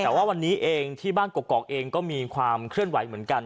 แต่ว่าวันนี้เองที่บ้านกกอกเองก็มีความเคลื่อนไหวเหมือนกัน